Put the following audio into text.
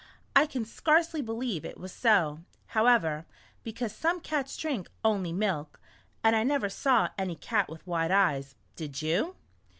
I can scarcely believe it was so, however, because some cats drink only milk, and I never saw any cat with white eyes, did you